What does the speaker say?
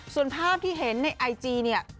ส่วนภาพที่เห็นในไอจีเนี่ย